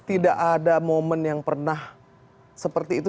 tidak ada momen yang pernah seperti itu